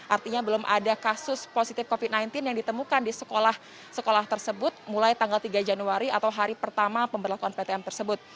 artinya belum ada kasus positif covid sembilan belas yang ditemukan di sekolah sekolah tersebut mulai tanggal tiga januari atau hari pertama pemberlakuan ptm tersebut